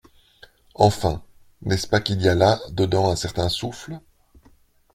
Enfin, n’est-ce pas qu’il y a là dedans un certain souffle ?